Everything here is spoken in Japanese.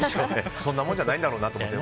そんなもんじゃないんだろうなと思って。